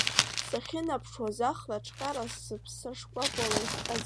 Сахьынаԥшуаз, ахра ҿҟьара сыԥса шкәакәала ихҟьаӡан.